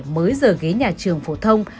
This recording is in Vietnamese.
mới giờ ghế nhà trường phổ thông